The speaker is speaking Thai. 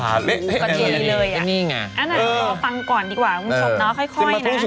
ประเทศอันให้รอฟังก่อนดีกว่ามึงเอานี่ไง